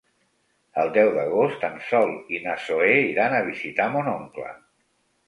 El deu d'agost en Sol i na Zoè iran a visitar mon oncle.